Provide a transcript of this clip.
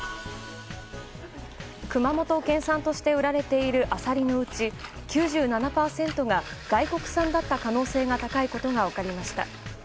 熊本県産として売られているアサリのうち９７％が外国産だった可能性が高いことが分かりました。